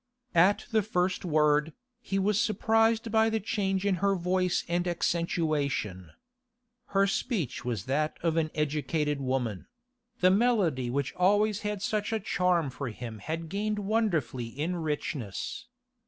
At the first word, he was surprised by the change in her voice and accentuation. Her speech was that of an educated woman; the melody which always had such a charm for him had gained wonderfully in richness.